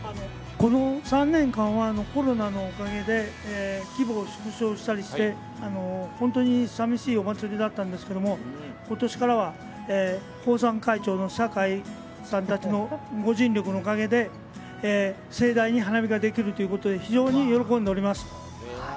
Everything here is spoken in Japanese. この３年間はコロナのおかげで規模を縮小したりして本当に寂しいお祭りでしたが今年からは奉賛会長さんのおかげで盛大に花火ができるということで非常に喜んでおります。